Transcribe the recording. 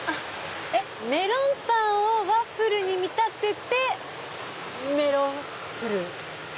メロンパンをワッフルに見立ててメロッフル。